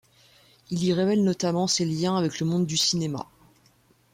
Il y révèle notamment ses liens avec le monde du cinéma.